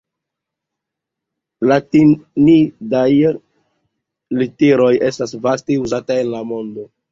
Latinidaj literoj estas vaste uzataj en la mondo.